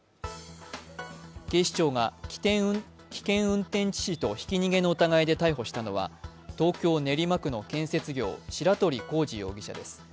警視庁が危険運転致死とひき逃げの疑いで逮捕したのは東京・練馬区の建設業白鳥功二容疑者です。